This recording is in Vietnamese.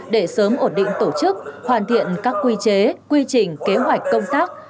để sớm ổn định tổ chức hoàn thiện các quy chế quy trình kế hoạch công tác